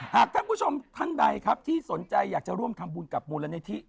หากท่านผู้ชมท่านใดครับที่สนใจอยากจะร่วมทำบุญกับมูลนิธิ